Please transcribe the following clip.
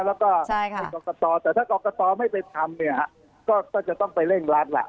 แล้วก็เป็นกรกตแต่ถ้ากรกตไม่ไปทำเนี่ยก็จะต้องไปเร่งรัดล่ะ